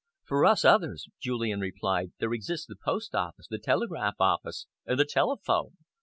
"For us others," Julian replied, "there exists the post office, the telegraph office and the telephone.